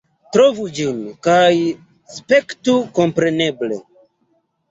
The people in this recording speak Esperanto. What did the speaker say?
Trovu ĝin, kaj spektu kompreneble.